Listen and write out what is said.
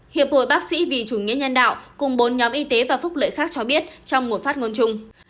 hiệp hội bác sĩ vì chủ nghĩa nhân đạo cùng bốn nhóm y tế và phúc lợi khác cho biết trong một phát ngôn chung